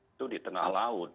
itu di tengah laut